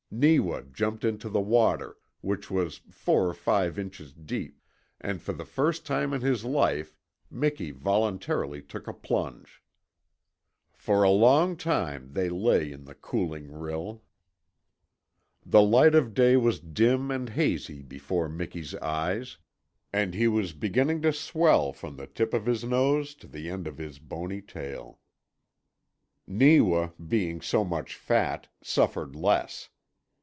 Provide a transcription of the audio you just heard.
Neewa jumped into the water, which was four or five inches deep, and for the first time in his life Miki voluntarily took a plunge. For a long time they lay in the cooling rill. The light of day was dim and hazy before Miki's eyes, and he was beginning to swell from the tip of his nose to the end of his bony tail. Neewa, being so much fat, suffered less.